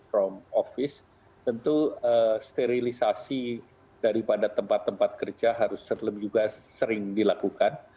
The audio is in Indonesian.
tentu sterilisasi daripada tempat tempat kerja harus sering dilakukan